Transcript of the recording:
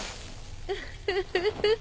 ウフフフ。